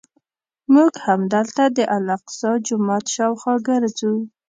موږ همدلته د الاقصی جومات شاوخوا ګرځو.